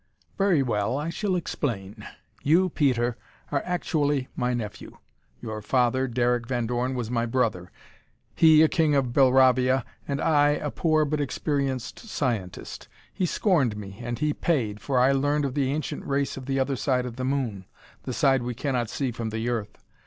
"Very well, I shall explain. You, Peter, are actually my nephew. Your father, Derek Van Dorn, was my brother; he a king of Belravia and I a poor but experienced scientist. He scorned me and he paid, for I learned of the ancient race of the other side of the Moon, the side we can not see from the earth.